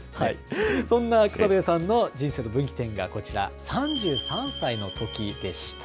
そんな草笛さんの人生の分岐点がこちら、３３歳のときでした。